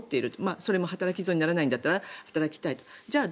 それも働き損にならないなら働きたいと。